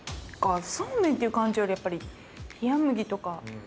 そうめんっていう感じよりやっぱりひやむぎとか。